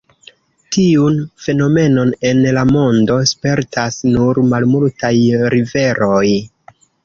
Tiun fenomenon en la mondo spertas nur malmultaj riveroj.